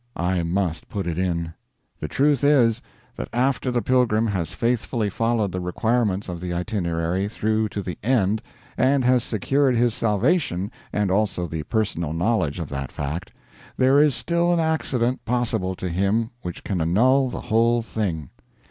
I must put it in. The truth is, that after the pilgrim has faithfully followed the requirements of the Itinerary through to the end and has secured his salvation and also the personal knowledge of that fact, there is still an accident possible to him which can annul the whole thing.